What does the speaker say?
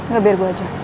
gak biar gue aja